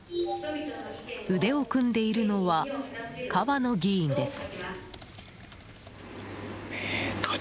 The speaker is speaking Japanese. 腕を組んでいるのは川野議員です。